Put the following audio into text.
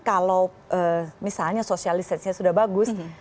kalau misalnya sosialisasinya sudah bagus